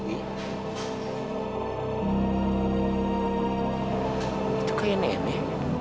itu kayak nenek